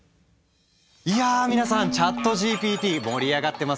いや皆さんＣｈａｔＧＰＴ盛り上がってますよね。